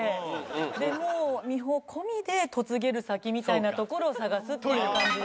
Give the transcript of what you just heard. でもう美穂込みで嫁げる先みたいなところを探すっていう感じで。